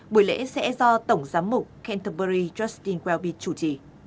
buổi lễ sẽ do tổng giám mục canterbury justin welby chủ trì